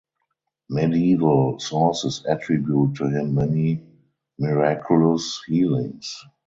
Medieval sources attribute to him many miraculous healings.